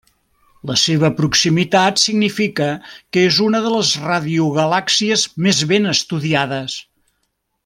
La seva proximitat significa que és una de les radiogalàxies més ben estudiades.